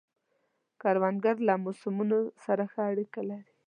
کروندګر له موسمو سره ښه اړیکه لري